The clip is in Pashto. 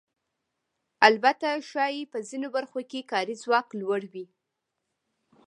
البته ښایي په ځینو برخو کې کاري ځواک لوړ وي